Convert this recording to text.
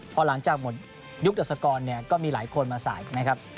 เพราะหลังจากหมดยุคดัสกรก็มีหลายคนมาใส่